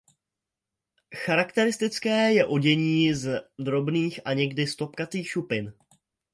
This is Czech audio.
Charakteristické je odění z drobných a někdy stopkatých šupin.